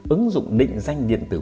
ứng dụng định danh điện tử